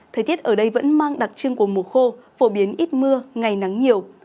thời tiết ở đây vẫn mang đặc trưng của mùa khô phổ biến ít mưa ngày nắng nhiều